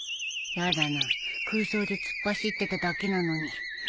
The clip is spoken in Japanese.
やだな空想で突っ走ってただけなのに